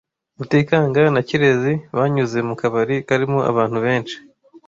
Rutikanga na Kirezi banyuze mu kabari karimo abantu benshi.